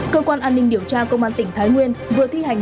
cơ quan an ninh điều tra công an tỉnh thái nguyên vừa thi hành